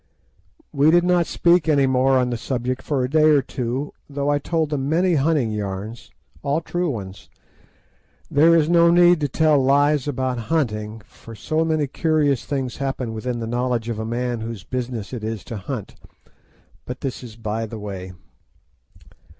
We did not speak any more on the subject for a day or two, though I told them many hunting yarns, all true ones. There is no need to tell lies about hunting, for so many curious things happen within the knowledge of a man whose business it is to hunt; but this is by the way.